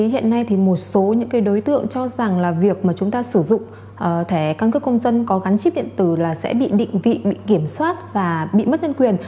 hiện nay thì một số những đối tượng cho rằng là việc mà chúng ta sử dụng thẻ căn cước công dân có gắn chip điện tử là sẽ bị định vị bị kiểm soát và bị mất nhân quyền